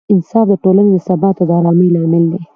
انصاف د ټولنې د ثبات او ارامۍ لامل دی.